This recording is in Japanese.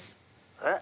えっ？